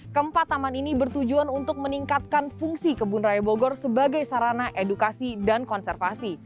keempat taman ini bertujuan untuk meningkatkan fungsi kebun raya bogor sebagai sarana edukasi dan konservasi